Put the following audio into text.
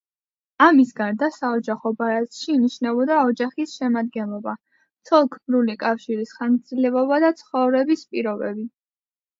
ამის გარდა საოჯახო ბარათში ინიშნებოდა ოჯახის შემადგენლობა, ცოლ-ქმრული კავშირის ხანგრძლივობა და ცხოვრების პირობები.